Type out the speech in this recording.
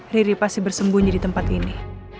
riri pasti bersembunyi di tempat ini